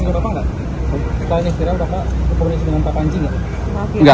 sekarang sudah pak komunikasi dengan pak panji nggak